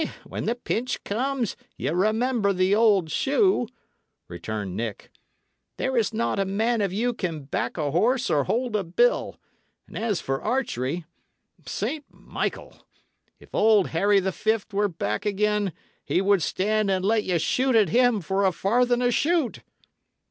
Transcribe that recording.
when the pinch comes, ye remember the old shoe," returned Nick. "There is not a man of you can back a horse or hold a bill; and as for archery St. Michael! if old Harry the Fift were back again, he would stand and let ye shoot at him for a farthen a shoot!"